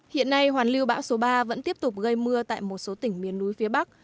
hiện nay hoàn lưu bão số ba vẫn tiếp tục gây mưa tại một số tỉnh miền núi phía bắc